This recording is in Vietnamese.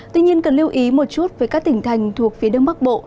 tuy nhiên cần lưu ý một chút với các tỉnh thành thuộc phía đông bắc bộ